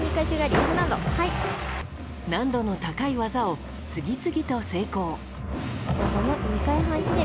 難度の高い技を次々と成功。